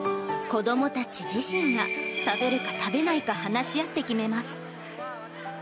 子どもたち自身が、食べるか食べないか話し合って決めます。